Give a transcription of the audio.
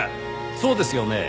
そうですよね？